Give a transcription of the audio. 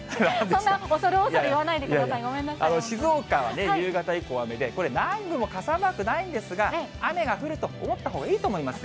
そんな、恐る恐る言わないで静岡は夕方以降雨で、南部も傘マークないんですが、雨が降ると思ったほうがいいと思います。